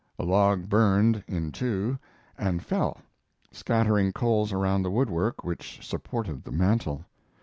A log burned in two and fell, scattering coals around the woodwork which supported the mantel.